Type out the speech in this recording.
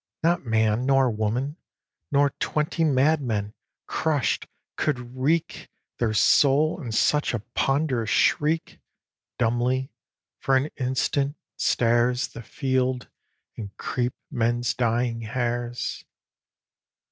Not man, nor woman, Nor twenty madmen, crush'd, could wreak Their soul in such a ponderous shriek. Dumbly, for an instant, stares The field; and creep men's dying hairs.